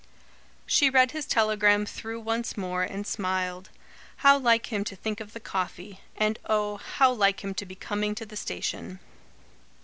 She read his telegram through once more, and smiled. How like him to think of the coffee; and oh, how like him to be coming to the station.